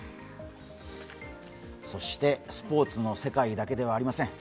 そしてスポ−ツの世界だけではありません。